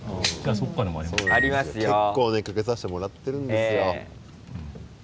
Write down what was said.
結構ねかけさせてもらってるんですよ。